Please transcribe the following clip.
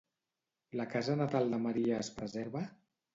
La casa natal de Maria es preserva?